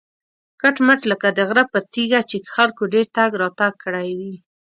کټ مټ لکه د غره پر تیږه چې خلکو ډېر تګ راتګ کړی وي.